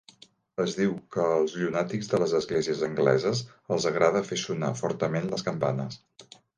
Es diu que als llunàtics de les esglésies angleses els agrada fer sonar fortament les campanes.